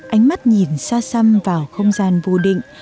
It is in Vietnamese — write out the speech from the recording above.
ánh mắt nhìn xa xăm vào không gian vô định